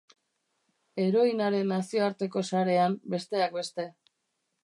Heroinaren nazioarteko sarean, besteak beste.